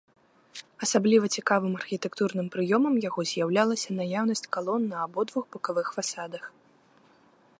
Асабліва цікавым архітэктурным прыёмам яго з'яўлялася наяўнасць калон на абодвух бакавых фасадах.